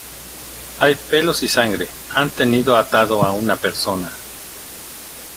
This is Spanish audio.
hay pelos y sangre. han tenido atado a una persona.